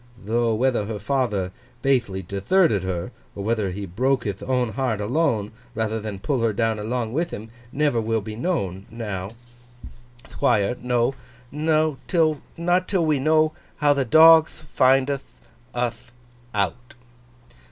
Tho, whether her father bathely detherted her; or whether he broke hith own heart alone, rather than pull her down along with him; never will be known, now, Thquire, till—no, not till we know how the dogth findth uth out!